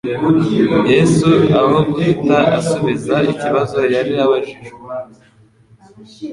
Yesu aho guhita asubiza ikibazo yari abajijwe,